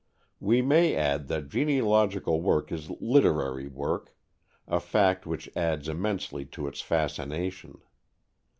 We may add that genealogical work is literary work a fact which adds immensely to its fascination.